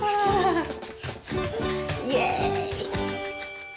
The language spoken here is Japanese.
イエーイ！